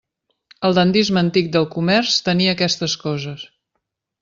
El dandisme antic del comerç tenia aquestes coses.